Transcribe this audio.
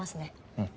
うん。